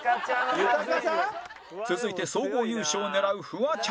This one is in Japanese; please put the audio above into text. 続いて総合優勝を狙うフワちゃん